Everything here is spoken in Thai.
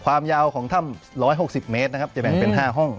ความยาวของถ้ำ๑๖๐เมตรนะครับจะแบ่งเป็น๕ห้อง